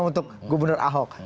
untuk gubernur ahok